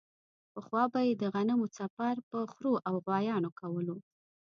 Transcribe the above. پخوا به یې د غنمو څپر په خرو او غوایانو کولو.